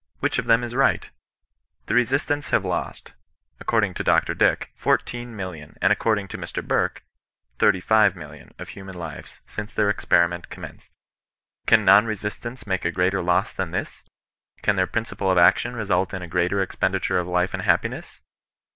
Which of them is right ? The resistants have lost, according to Br. Dick, 14,000,000,000, and according to Mr. Burke, 35,000,000,000, of human lives, since their experiment commenced. Can non resistants make a greater loss than this 1 Can their principle of action result in a greater expenditure of life ana happiness